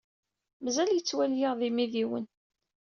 Mazal yettwali-aɣ d imidiwen.